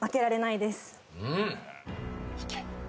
いけ！